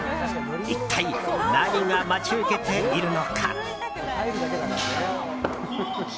一体何が待ち受けているのか。